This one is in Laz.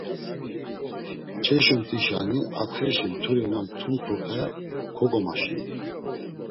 Mç̌eşumt̆işani atxeşi mturi na mtumt̆upe kogomaşinu.